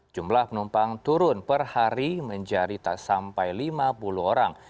jumlah penumpang turun per hari menjadi tak sampai lima puluh orang